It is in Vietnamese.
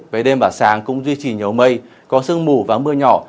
với đêm và sáng cũng duy trì nhấu mây có sương mù và mưa nhỏ